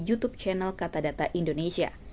youtube channel kata data indonesia